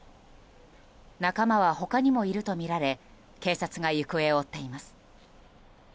仲間は他にもいるとみられ警察が行方を追っています。